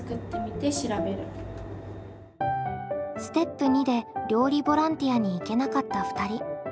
ステップ２で料理ボランティアに行けなかった２人。